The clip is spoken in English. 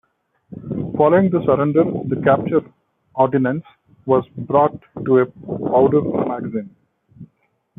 Following the surrender, the captured ordnance was brought to a powder magazine.